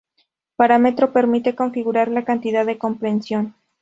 parámetro permite configurar la cantidad de compresión